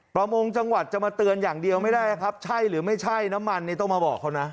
ประมงจังหวัดจะมาเตือนอย่างเดียวไม่ได้นะครับใช่หรือไม่ใช่น้ำมันนี่ต้องมาบอกเขานะ